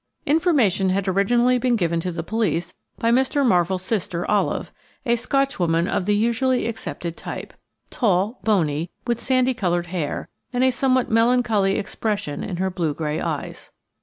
Information had originally been given to the police by Mr. Marvell's sister Olive, a Scotchwoman of the usually accepted type: tall, bony, with sandy coloured hair, and a somewhat melancholy expression in her blue grey eyes.